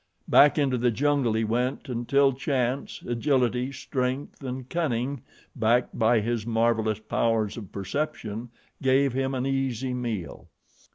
Back into the jungle he went until chance, agility, strength, and cunning backed by his marvelous powers of perception, gave him an easy meal.